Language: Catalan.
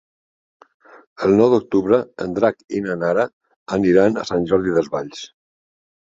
El nou d'octubre en Drac i na Nara aniran a Sant Jordi Desvalls.